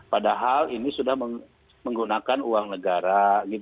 padahal ini sudah menggunakan uang negara